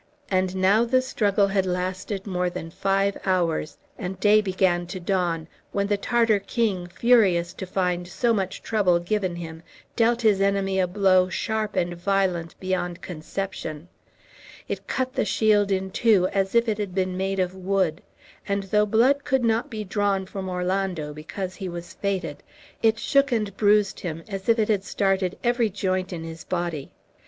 And now the struggle had lasted more than five hours, and day began to dawn, when the Tartar king, furious to find so much trouble given him, dealt his enemy a blow sharp and violent beyond conception. It cut the shield in two as if it had been made of wood, and, though blood could not be drawn from Orlando, because he was fated, it shook and bruised him as if it had started every joint in his body.